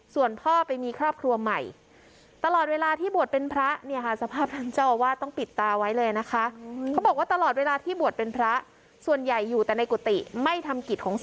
ส่วนพ่อไปมีครอบครัวใหม่